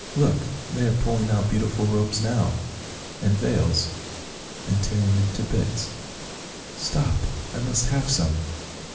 " Look ! they are pulling out beautiful robes now — and veils, and tearing them to bits. Stop, I must have some